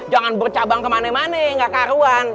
jangan bercabang ke mana mana nggak kearuan